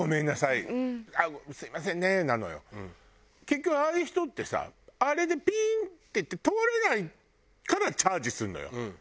結局ああいう人ってさあれでピーっていって通れないからチャージするのよ。